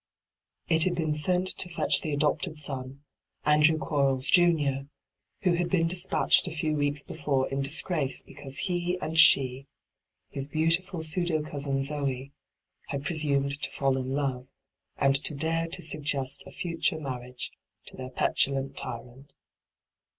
It had been sent to fetch the adopted son, Andrew Quarles junior, who had been despatched a few weeks before in disgrace because he and she — his heantiliil pseudo cousin Zoe — had presumed to &11 in love and to dare to surest a future marriage to their petulant tyrant.